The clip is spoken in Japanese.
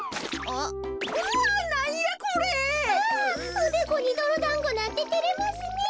ああおでこにどろだんごなんててれますねえ。